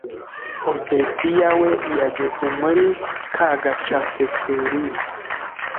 obedia we yageze muri kagacafeteria